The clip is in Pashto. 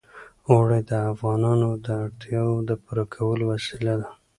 اوړي د افغانانو د اړتیاوو د پوره کولو وسیله ده.